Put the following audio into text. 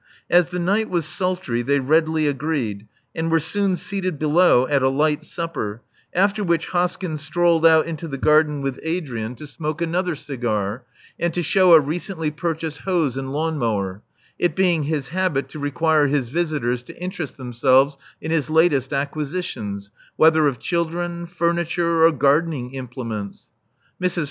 As the night was sultry, they readily agreed^ and were soon seated below at a light supper, after which Hoskyn strolled out into the garden with Adrian to 438 Love Among the Artists smoke another cigar, and to shew a recently purchased hose and lawnmower, it being his habit to require his visitors to interest themselves in his latest acquisitions, whether of children, furniture or gardening imple ments. Mrs.